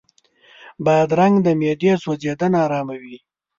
بادرنګ د معدې سوځېدنه آراموي.